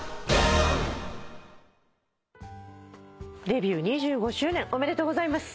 デビュー２５周年おめでとうございます。